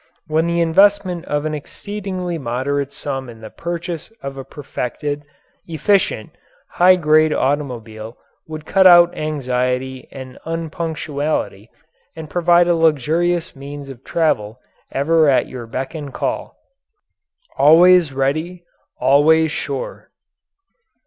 when the investment of an exceedingly moderate sum in the purchase of a perfected, efficient, high grade automobile would cut out anxiety and unpunctuality and provide a luxurious means of travel ever at your beck and call. Always ready, always sure.